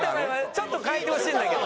ちょっと変えてほしいんだけど。